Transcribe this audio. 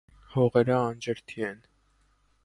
Հողերը անջրդի են։